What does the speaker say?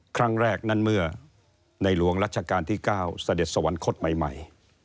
ครั้งแรกนั้นเมื่อในหลวงรัชกาลที่๙เสด็จสวรรคตใหม่